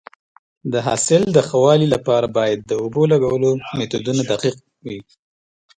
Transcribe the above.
د حاصل د ښه والي لپاره باید د اوبو لګولو میتودونه دقیق وي.